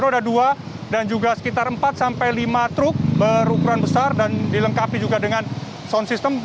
roda dua dan juga sekitar empat sampai lima truk berukuran besar dan dilengkapi juga dengan sound system